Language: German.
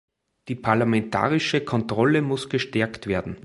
Die parlamentarische Kontrolle muss gestärkt werden.